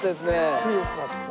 来てよかった。